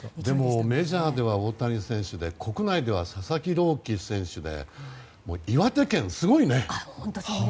メジャーでは大谷選手で国内では佐々木朗希選手で岩手県すごいね。